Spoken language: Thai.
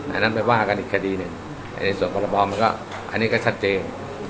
อันนั้นไปว่ากันอีกคดีหนึ่งในส่วนพรบมันก็อันนี้ก็ชัดเจน